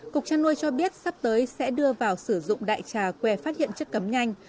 cục chăn nuôi cho biết sắp tới sẽ đưa vào sử dụng đại trà què phát hiện chất cấm nhanh